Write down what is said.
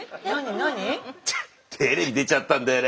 何？テレビ出ちゃったんだよね。